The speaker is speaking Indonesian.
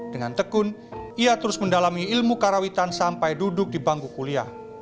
dengan tekun ia terus mendalami ilmu karawitan sampai duduk di bangku kuliah